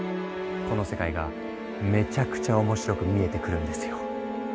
この世界がめちゃくちゃ面白く見えてくるんですよ！